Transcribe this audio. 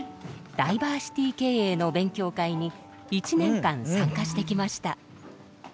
ダイバーシティー経営の勉強会に１年間参加してきました。